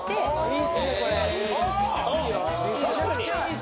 いいっすねこれ。